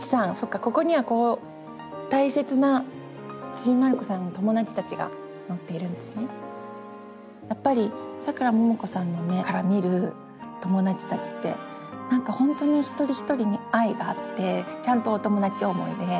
ここにはこうやっぱりさくらももこさんの目から見る友だちたちってなんか本当に一人一人に愛があってちゃんとお友だち思いで。